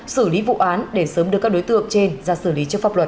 xử lý vụ án để sớm đưa các đối tượng trên ra xử lý trước pháp luật